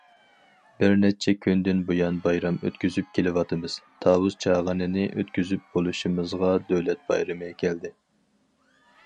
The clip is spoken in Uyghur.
بىر نەچچە كۈندىن بۇيان بايرام ئۆتكۈزۈپ كېلىۋاتىمىز، تاۋۇز چاغىنىنى ئۆتكۈزۈپ بولۇشىمىزغا دۆلەت بايرىمى كەلدى.